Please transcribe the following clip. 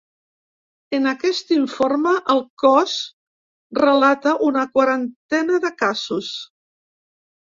En aquest informe, el cos relata una quarantena de casos.